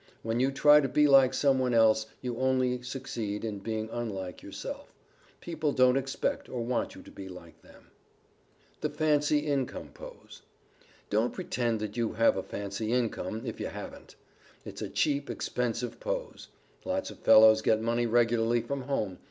When you try to be like some one else, you only succeed in being unlike yourself. People don't expect or want you to be like them. [Sidenote: THE FANCY INCOME POSE] Don't pretend that you have a fancy income, if you haven't. It's a cheap, expensive pose. Lots of fellows get money regularly from home.